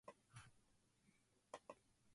All remained active in the local music scene.